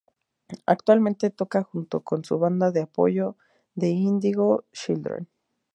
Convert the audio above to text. Actualmente toca junto con su banda de apoyo "The Indigo Children".